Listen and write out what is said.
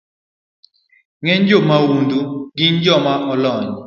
Ng’eny jomaundu gin joma olony